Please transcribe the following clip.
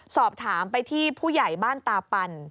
สอบถามไปที่ผู้ใหญ่บ้านตาปัน